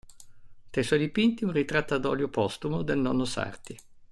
Tra i suoi dipinti, un ritratto a olio postumo del nonno Sarti.